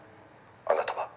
あなたは？」